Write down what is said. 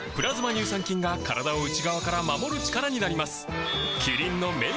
乳酸菌が体を内側から守る力になります